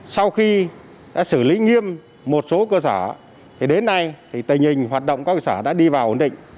sau khi đã xử lý nghiêm một số cơ sở đến nay tình hình hoạt động các cơ sở đã đi vào ổn định